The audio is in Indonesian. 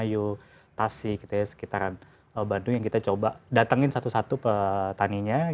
di jawa barat cirebon di indramayu tasik sekitaran bandung yang kita coba datangin satu satu petaninya